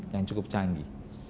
yang cukup canggih